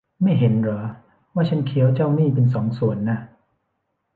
ไม่เห็นหรอว่าฉันเคี้ยวเจ้านี้เป็นสองส่วนน่ะ